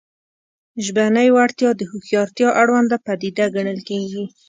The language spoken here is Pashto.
ژبنۍ وړتیا د هوښیارتیا اړونده پدیده ګڼل کېږي